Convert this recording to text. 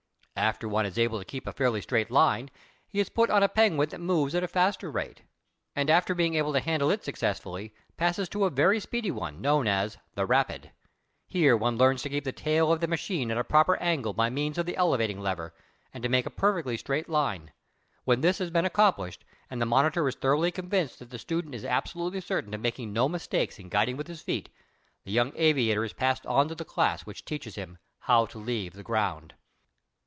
After one is able to keep a fairly straight line, he is put on a Penguin that moves at a faster rate, and after being able to handle it successfully passes to a very speedy one, known as the "rapid." Here one learns to keep the tail of the machine at a proper angle by means of the elevating lever, and to make a perfectly straight line. When this has been accomplished and the monitor is thoroughly convinced that the student is absolutely certain of making no mistakes in guiding with his feet, the young aviator is passed on to the class which teaches him how to leave the ground.